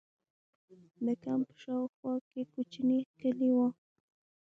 د کمپ په شا او خوا کې کوچنۍ کلي وو.